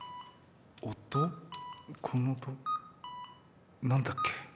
この音何だっけ？